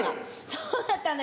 そうだったのよ。